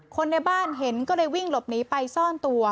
คนในบ้านเห็นก็เลยวิ่งหลบหนีไปซ่อนตัว